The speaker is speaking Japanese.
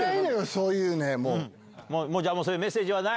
そういうメッセージはない？